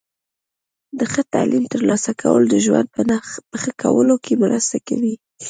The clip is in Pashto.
د ښه تعلیم ترلاسه کول د ژوند په ښه کولو کې مرسته کوي.